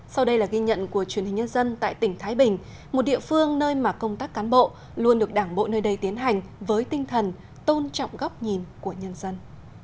sau đây là ghi nhận của truyền hình nhân dân tại tỉnh thái bình một địa phương nơi mà công tác cán bộ luôn được đảng bộ nơi đây tiến hành với tinh thần tôn trọng góc nhìn của nhân dân